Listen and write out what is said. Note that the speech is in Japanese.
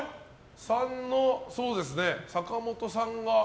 ３の坂本さんが。